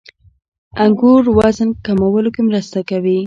• انګور وزن کمولو کې مرسته کوي.